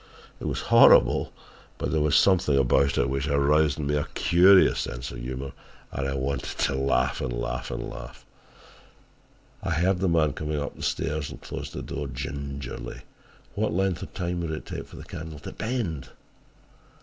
It was horrible, but there was something about it which aroused in me a curious sense of humour and I wanted to laugh and laugh and laugh! "I heard the man coming up the stairs and closed the door gingerly. What length of time would it take for the candle to bend!